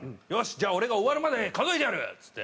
じゃあ俺が終わるまで数えてやる」っつって。